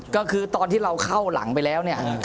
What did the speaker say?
ก็คือตอนที่เราเข้าหลังไปแล้วเนี่ย